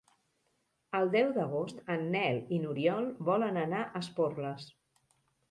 El deu d'agost en Nel i n'Oriol volen anar a Esporles.